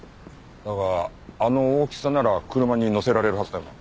だがあの大きさなら車に載せられるはずだが。